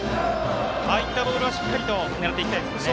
ああいったボールはしっかり狙っていきたいですね。